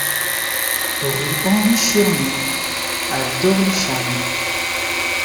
Rue Henri Schirmer à Dorlisheim